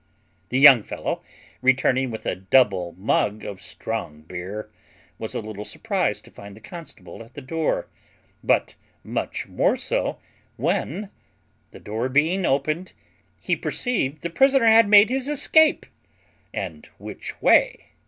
The young fellow, returning with a double mug of strong beer, was a little surprized to find the constable at the door; but much more so when, the door being opened, he perceived the prisoner had made his escape, and which way.